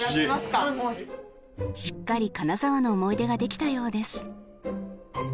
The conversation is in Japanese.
しっかり金沢の思い出ができたようです